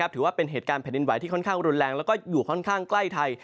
ถือว่าเป็นเหตุการณ์แผ่นดินไหวที่ค่อนข้างรุนแรงแล้วก็อยู่ค่อนข้างใกล้ไทย